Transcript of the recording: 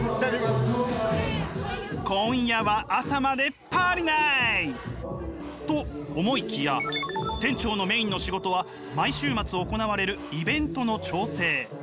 今夜は朝までパーリナイ！と思いきや店長のメインの仕事は毎週末行われるイベントの調整。